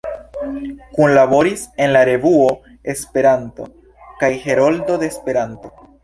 Kunlaboris en "La Revuo, Esperanto" kaj "Heroldo de Esperanto.